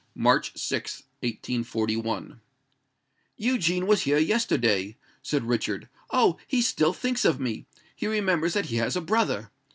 March 6, 1841. "Eugene was here yesterday," said Richard. "Oh! he still thinks of me—he remembers that he has a brother.